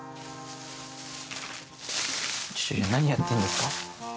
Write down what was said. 何やってんですか？